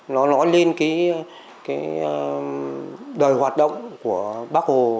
nó nói lên cái đời hoạt động của bác hồ